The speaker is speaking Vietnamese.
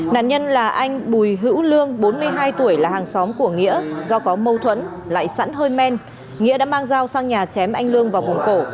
nạn nhân là anh bùi hữu lương bốn mươi hai tuổi là hàng xóm của nghĩa do có mâu thuẫn lại sẵn hơi men nghĩa đã mang dao sang nhà chém anh lương vào vùng cổ